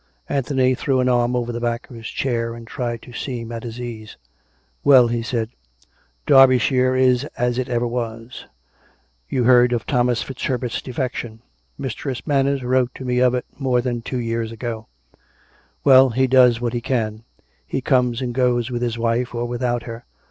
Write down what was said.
" Anthony threw an arm over the back of his chair, and tried to seem at his ease. " Well," he said, " Derbyshire is as it ever was. You heard of Thomas FitzHerbert's defection.'' "" Mistress Manners wrote to me of it, more than two years ago." " Well, he does what he can : he comes and goes with his wife or without her.